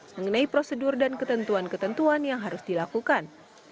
mengenai prosedur dan ketentuan ketentuan yang harus dilakukan